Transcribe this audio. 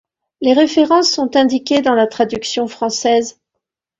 Les références sont indiquées dans la traduction française.